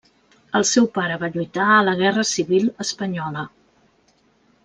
El seu pare va lluitar a la Guerra Civil Espanyola.